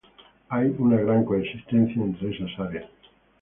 Hay una gran coexistencia entre esas áreas.